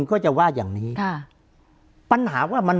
คุณลำซีมัน